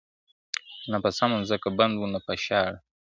نه په سمه مځکه بند وو، نه په شاړه ,